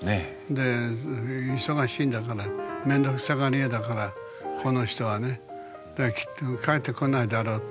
で忙しいんだからめんどくさがり屋だからこの人はねだからきっと返ってこないだろうと。